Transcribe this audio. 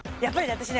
私ね